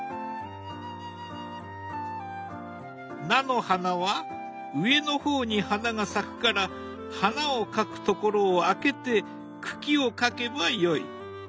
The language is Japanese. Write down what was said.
菜の花は上の方に花が咲くから花を描くところをあけて茎を描けばよい。